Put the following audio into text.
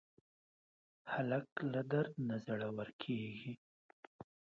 هلک له درده نه زړور کېږي.